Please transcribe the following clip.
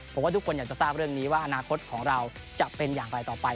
ผมว่าทุกคนอยากจะทราบเรื่องนี้ว่าอนาคตของเราจะเป็นอย่างไรต่อไป